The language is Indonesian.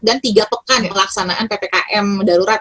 dan tiga pekan melaksanaan ppkm darurat